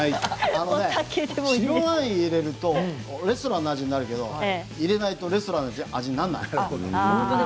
白ワインを入れるとレストランの味になるけど入れないとレストランの味にならない。